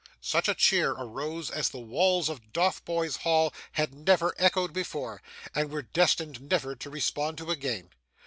Such a cheer arose as the walls of Dotheboys Hall had never echoed before, and were destined never to respond to again.